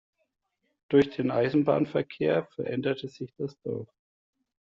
Durch den Eisenbahnverkehr veränderte sich das Dorf.